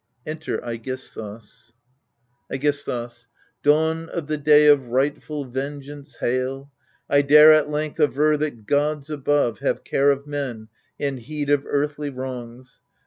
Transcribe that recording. {Enter /Egisthus^ i^GISTHUS Dawn of the day of rightful vengeance, hail ! I dare at length aver that gods above Have care of men and heed of earthly wrongs.